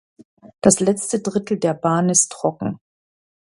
Das letzte Drittel der Bahn ist trocken.